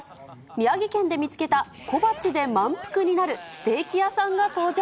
宮城県で見つけた小鉢で満腹になるステーキ屋さんが登場。